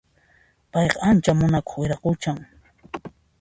Payqa ancha munakuq wiraquchan